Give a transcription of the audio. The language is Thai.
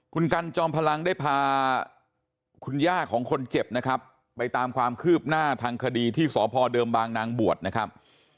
คุณกันจอมพลังได้พาคุณย่าของคนเจ็บนะครับไปตามความคืบหน้าทางคดีที่สพเดิมบางนางบวชนะครับ